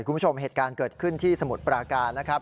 คุณผู้ชมเหตุการณ์เกิดขึ้นที่สมุทรปราการนะครับ